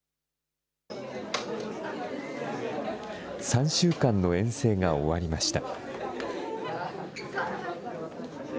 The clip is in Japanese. ３週間の遠征が終わりました。